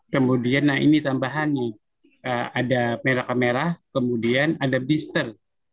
kemudian ini tambahannya ada merah merah kemudian ada blister